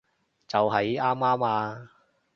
就喺啱啱啊